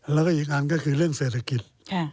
แล้วก็อีกอันก็คือเรื่องเศรษฐกิจ